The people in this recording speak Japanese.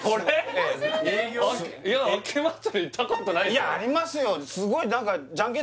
いやありますよ